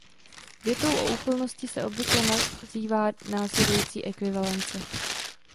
Větou o úplnosti se obvykle nazývá následující ekvivalence.